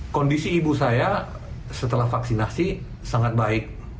kondisi ibu saya setelah vaksinasi sangat baik